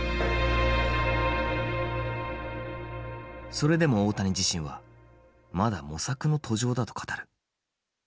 それでも大谷自身はまだ模索の途上だと語る。